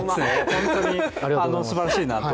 本当にすばらしいなと。